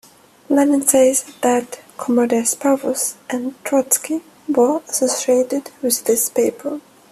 Lenin says that "Comrades Parvus and Trotsky" were associated with this paper.